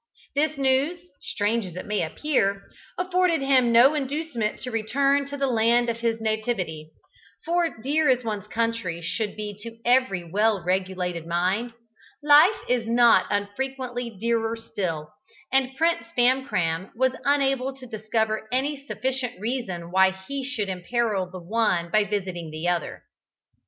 This news, strange as it may appear, afforded him no inducement to return to the land of his nativity, for, dear as one's country should be to every well regulated mind, life is not unfrequently dearer still, and Prince Famcram was unable to discover any sufficient reason why he should imperil the one by visiting the other.